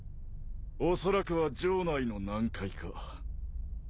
おそらくは城内の何階か。